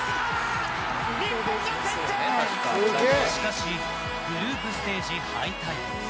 しかしグループステージ敗退。